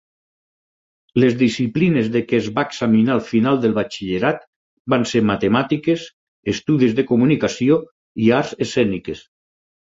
Les disciplines de què es va examinar al final del batxillerat van ser Matemàtiques, Estudis de comunicació i Arts escèniques.